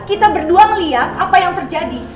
kita berdua melihat apa yang terjadi